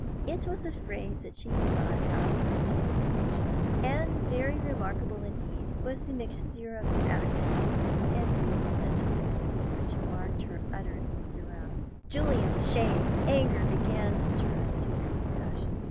It was a phrase she had got out of her penny fiction; and very remarkable indeed was the mixture of acting and real sentiment which marked her utterances throughout. Julian's shame and anger began to turn to compassion.